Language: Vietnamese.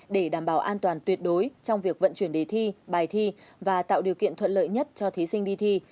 để đảm bảo an toàn tuyệt đối trong việc vận chuyển đề thi bài thi và tạo điều kiện thuận lợi nhất cho thí sinh đi thi